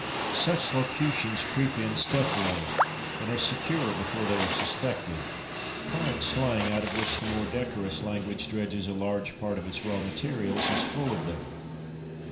Such locutions creep in stealthily, and are secure before they are suspected. Current slang, out of which the more decorous language dredges a large part of its raw materials, is full of them.